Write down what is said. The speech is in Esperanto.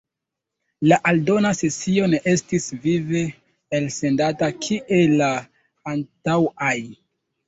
La aldona sesio ne estis vive elsendata kiel la antaŭaj.